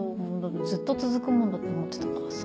ずっと続くもんだと思ってたからさ。